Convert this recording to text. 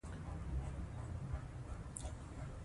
هغه وویل چې د سبو خوړل يې ویده کولو کې مرسته کړې.